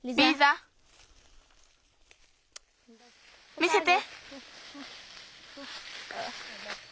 見せて！